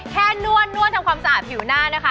นวดทำความสะอาดผิวหน้านะคะ